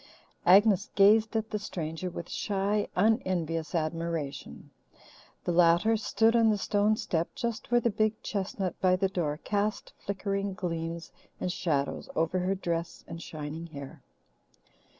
Agnes gazed at the stranger with shy, unenvious admiration; the latter stood on the stone step just where the big chestnut by the door cast flickering gleams and shadows over her dress and shining hair.